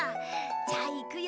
じゃあいくよ。